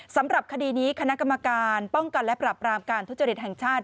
สำหรับคดีนี้คณะกรรมการป้องกันและปรับรามการทุจริตแห่งชาติ